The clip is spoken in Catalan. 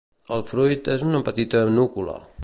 El fruit és una petita núcula.